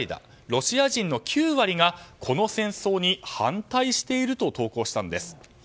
ロシア人の９割がこの戦争に反対していると投稿したんです。